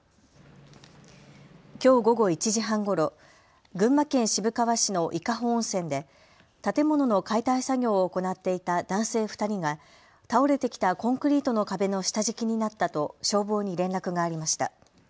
きょう午後１時半ごろ、群馬県渋川市の伊香保温泉で建物の解体作業を行っていた男性２人が倒れてきたコンクリートの壁の下敷きになったと消防に連絡がありました。